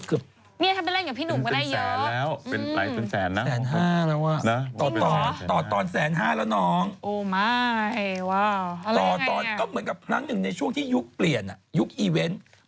เอ่อแล้วออกละคือพูดแบบเรื่องอันนี้เป็นไปนะ